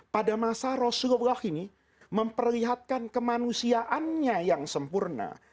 pada masa rasulullah ini memperlihatkan kemanusiaannya yang sempurna